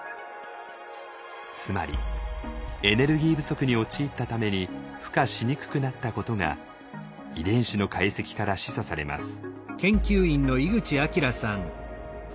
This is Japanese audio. つまりエネルギー不足に陥ったために孵化しにくくなったことが遺伝子の解析から示唆されます。